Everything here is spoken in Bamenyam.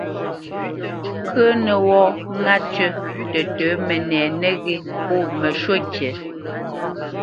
Ŋkə̄ə̄nə́ wɔ́ ŋá tʉ tətə̌ mənɛ nəghé pô məshwúʼ ŋkǐ.